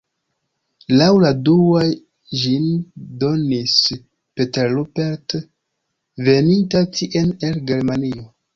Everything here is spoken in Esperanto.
Laŭ la dua ĝin donis "Peter Rupert" veninta tien el Germanio.